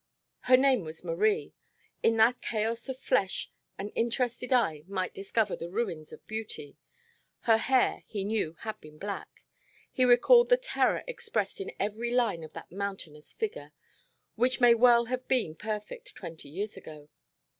Her name was Marie. In that chaos of flesh an interested eye might discover the ruins of beauty. Her hair, he knew, had been black. He recalled the terror expressed in every line of that mountainous figure which may well have been perfect twenty years ago.